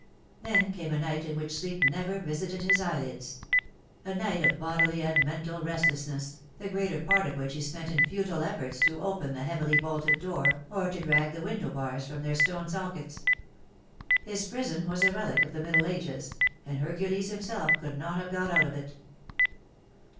Then came a night in which sleep never visited his eyelids a night of bodily and mental restlessness, the greater part of which he spent in futile efforts to open the heavily bolted door, or to drag the window bars from their stone sockets. His prison was a relic of the Middle Ages, and Hercules himself could not have got out of it.